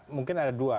mungkin ada dua